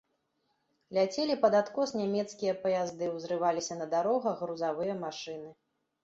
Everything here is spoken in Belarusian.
Ляцелі пад адкос нямецкія паязды, узрываліся на дарогах грузавыя машыны.